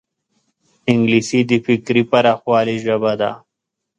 انګلیسي د فکري پراخوالي ژبه ده